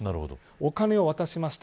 お金を渡しました。